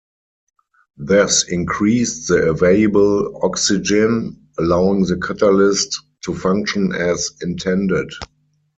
This increased the available oxygen, allowing the catalyst to function as intended.